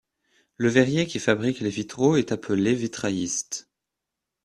Le verrier qui fabrique les vitraux est appelé vitrailliste.